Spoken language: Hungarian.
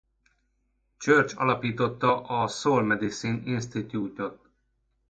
Church alapította a Soul Medicine Institute-ot.